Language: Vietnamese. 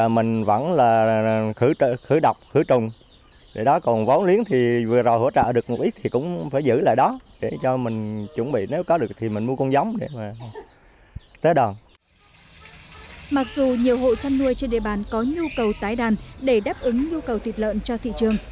mặc dù nhiều hộ chăn nuôi trên địa bàn có nhu cầu tái đàn để đáp ứng nhu cầu thịt lợn cho thị trường